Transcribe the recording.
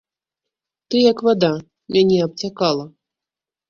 Ты, як вада, мяне абцякала.